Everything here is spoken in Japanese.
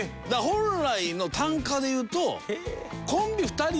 本来の単価でいうと。